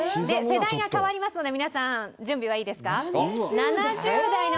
で世代が変わりますので皆さん準備はいいですか？